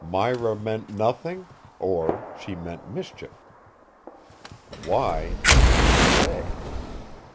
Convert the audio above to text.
Myra meant nothing or she meant mischief. Why, he could not say.